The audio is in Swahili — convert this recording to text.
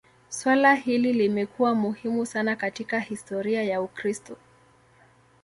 Suala hili limekuwa muhimu sana katika historia ya Ukristo.